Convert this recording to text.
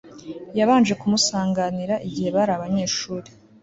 Yabanje kumusanganira igihe bari abanyeshuri